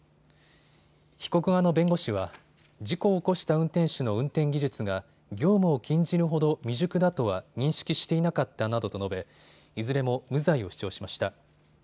被告側の弁護士は、事故を起こした運転手の運転技術が業務を禁じるほど未熟だとは認識していなかったなどと述べいずれも無罪を主張しました。